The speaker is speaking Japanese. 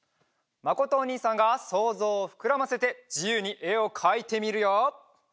まことおにいさんがそうぞうをふくらませてじゆうにえをかいてみるよ。